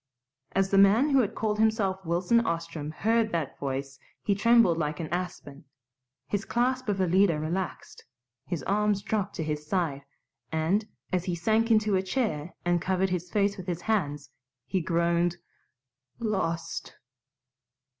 As the man who had called himself Wilson Ostrom heard that voice he trembled like an aspen; his clasp of Alida relaxed, his arms dropped to his side, and, as he sank into a chair and covered his face with his hands, he groaned, "Lost!"